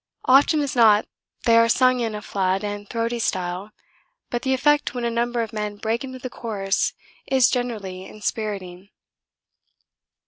Often as not they are sung in a flat and throaty style, but the effect when a number of men break into the chorus is generally inspiriting.'